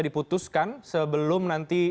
diputuskan sebelum nanti